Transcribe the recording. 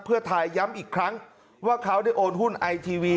เพื่อไทยย้ำอีกครั้งว่าเขาได้โอนหุ้นไอทีวี